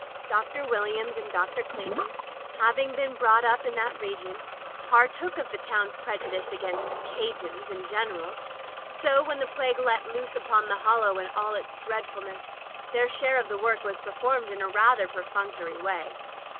Dr. Williams and Dr. Cleighton having been brought up in that region, partook of the town's prejudice against "Cajans" in general, so when the plague let loose upon the Hollow in all its dreadfulness, their share of the work was performed in a rather per functory way.